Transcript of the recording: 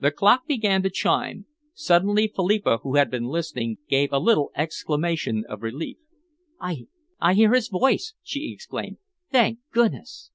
The clock began to chime. Suddenly Philippa, who had been listening, gave a little exclamation of relief. "I hear his voice!" she exclaimed. "Thank goodness!"